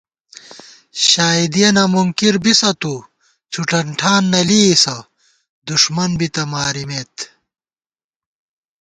شائیدِیَنہ مُنکِر بِسہ تُوڅُھوٹن ٹھان نہ لېئیسہ دُݭمن بِتہ مارِمېت